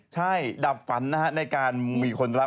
ใช่ดับฝันนะฮะในการมีคนรัก